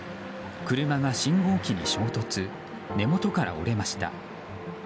車が信号機に衝突根元から折れました。